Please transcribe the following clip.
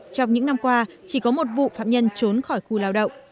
trong những năm qua chỉ có một vụ phạm nhân trốn khỏi khu lao động